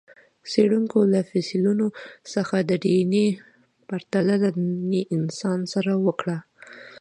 څېړونکو له فسیلونو څخه د ډياېناې پرتله له ننني انسان سره وکړه.